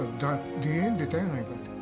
ＤＮＡ出たやないかと。